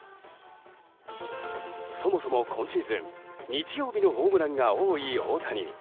そもそも今シーズン日曜日のホームランが多い大谷。